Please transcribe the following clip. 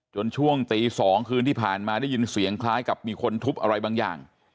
ช่วงตี๒คืนที่ผ่านมาได้ยินเสียงคล้ายกับมีคนทุบอะไรบางอย่าง